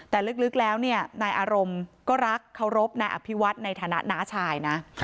แต่ลึกแล้วเนี่ยนายอารมณ์ก็รักเคารพนายอภิวัฒน์ในฐานะน้าชายนะ